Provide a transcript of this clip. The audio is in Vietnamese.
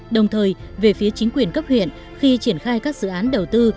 đồng thời về phía chính quyền cấp huyện khi triển khai các dự án đầu tư